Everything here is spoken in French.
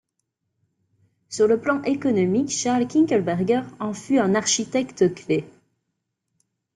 Sur le plan économique Charles Kindleberger en fut un architecte clé.